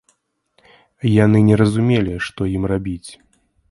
Яны не разумелі, што ім рабіць.